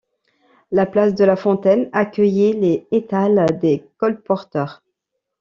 La place de la Fontaine, accueillait les étals des colporteurs.